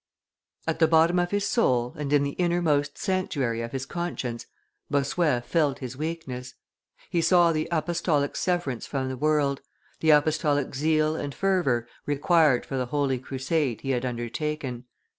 At the bottom of his soul, and in the innermost sanctuary of his conscience, Bossuet felt his weakness; he saw the apostolic severance from the world, the apostolic zeal and fervor required for the holy crusade he had undertaken.